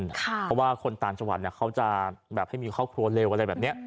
เพราะว่าคนต่างจังหวัดเขาจะแบบให้มีครอบครัวเร็วอะไรแบบนี้